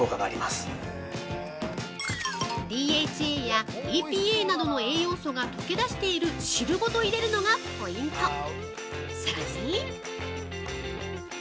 ◆ＤＨＡやＥＰＡなどの栄養素が溶け出している汁ごと入れるのがポイント。